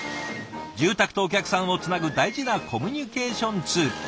住宅とお客さんをつなぐ大事なコミュニケーションツール。